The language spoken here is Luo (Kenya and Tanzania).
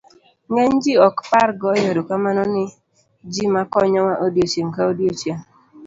ng'eny ji ok par goyo erokamano ni ji makonyowa odiochieng' ka odiochieng'